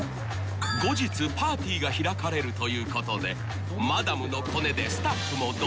［後日パーティーが開かれるということでマダムのコネでスタッフも同行］